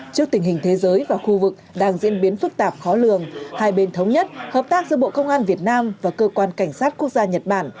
trước tình hình thế giới và khu vực đang diễn biến phức tạp khó lường hai bên thống nhất hợp tác giữa bộ công an việt nam và cơ quan cảnh sát quốc gia nhật bản